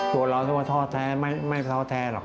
ตัวเราที่ว่าท้อแท้ไม่ท้อแท้หรอก